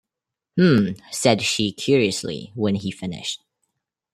“Hm!” said she curiously, when he finished.